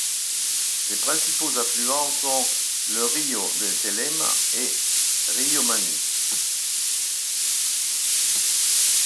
Ses principaux affluents sont le Rio de s'Elema et le Rio Mannu.